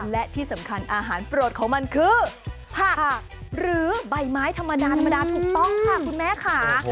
และที่สำคัญอาหารโปรดของมันคือผักหรือใบไม้ธรรมดาธรรมดาถูกต้องค่ะคุณแม่ค่ะ